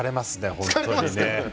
本当にね。